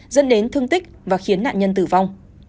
dẫn đến thương tích và khiến nạn nhân tử vong